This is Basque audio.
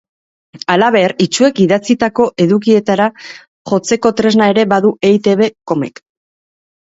Halaber, itsuek idatzitako edukietara jotzeko tresna ere badu eitb, com-ek.